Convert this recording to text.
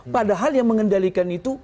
padahal yang mengendalikan itu